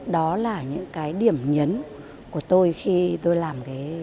đó là những cái điểm nhấn của tôi khi tôi làm cái